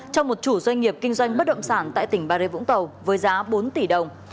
cho một chủ doanh nghiệp kinh doanh bất động sản tại tỉnh bà rê vũng tàu với giá bốn tỷ đồng